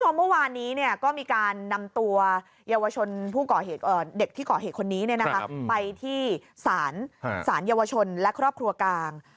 เมื่อวานนี้ก็มีการนำตัวเยาวชนเด็กที่ก่อเหตุคนนี้ไปที่สารเยาวชนและครอบครัวกลาง